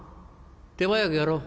手早くやろう。